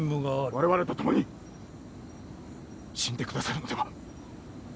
我々と共に死んで下さるのでは！？